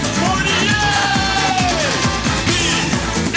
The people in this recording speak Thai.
พร้อมหรือยัง